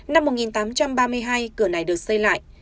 năm một nghìn tám trăm ba mươi hai cửa này được xây lại